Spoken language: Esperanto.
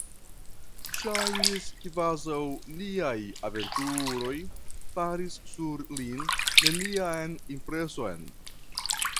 Ŝajnis, kvazaŭ niaj aventuroj faris sur lin nenian impreson.